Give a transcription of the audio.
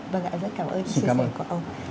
vâng ạ rất cảm ơn chia sẻ của ông